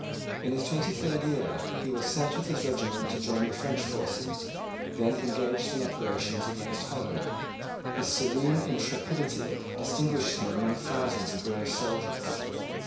In his twenty third year he was sent with his regiment to join the French forces, then engaged in operations against Holland. His serene intrepidity distinguished him among thousands of brave soldiers.